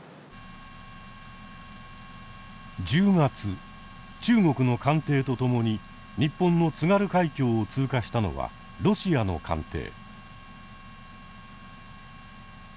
１０月中国の艦艇と共に日本の津軽海峡を通過したのはロシアの艦艇。